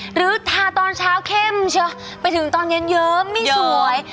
หรือทาตอนเช้าเข้มไปถึงตอนย่นเยอะไม่สวย